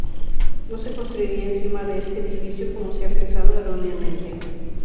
No se construirá encima de este edificio, como se ha pensado erróneamente.